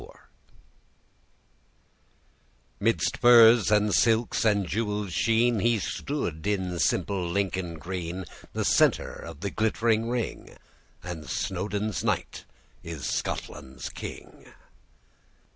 'Midst furs, and silks, and jewels' sheen, He stood, in simple Lincoln green, The center of the glittering ring; And Snowdon's knight is Scotland's king!